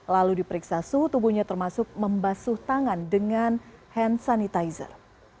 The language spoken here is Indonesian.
lalu diperiksa suhu tubuhnya termasuk membasuh tangan dengan hand sanitizer